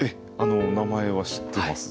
名前は知ってます。